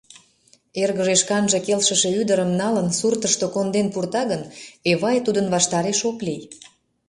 Эргыже шканже келшыше ӱдырым, налын, суртышто конден пурта гын, Эвай тудын ваштареш ок лий.